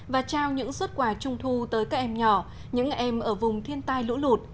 và trao những xuất quà trung thu tới các em nhỏ những em ở vùng thiên tai lũ lụt